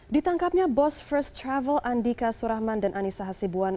ditangkapnya bos first travel andika surahman dan anissa hasibuan